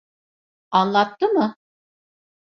Anlattı mı?